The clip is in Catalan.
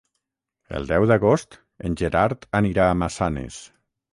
El deu d'agost en Gerard anirà a Massanes.